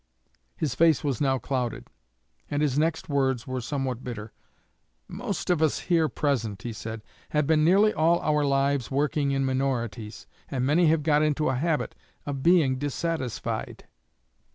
His face was now clouded, and his next words were somewhat bitter. 'Most of us here present,' he said, 'have been nearly all our lives working in minorities, and many have got into a habit of being dissatisfied.'